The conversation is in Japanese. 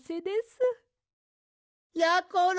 ・やころ